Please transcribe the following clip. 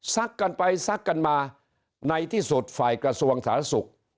กันไปซักกันมาในที่สุดฝ่ายกระทรวงสาธารณสุข